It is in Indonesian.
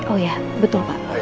oh iya betul pak